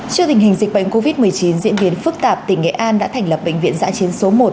trước tình hình dịch bệnh covid một mươi chín diễn biến phức tạp tỉnh nghệ an đã thành lập bệnh viện giã chiến số một